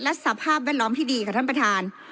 และสภาพแวดล้อมที่ดีค่ะท่านประธาน